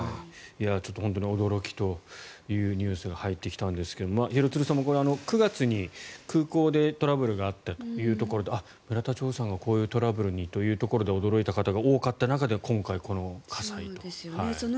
本当に驚きというニュースが入ってきたんですが廣津留さん、９月に空港でトラブルがあったというところで村田兆治さんがこういうトラブルにというところで驚いた方が多かった中で今回、この火災という。